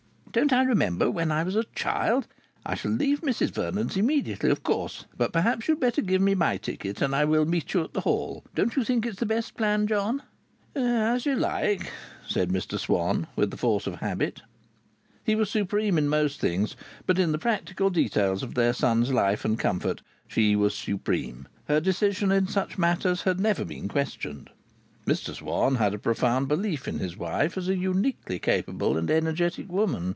Don't I remember when I was a child! I shall leave Mrs Vernon's immediately, of course, but perhaps you'd better give me my ticket and I will meet you at the hall. Don't you think it's the best plan, John?" "As you like," said Mr Swann, with the force of habit. He was supreme in most things, but in the practical details of their son's life and comfort she was supreme. Her decision in such matters had never been questioned. Mr Swann had a profound belief in his wife as a uniquely capable and energetic woman.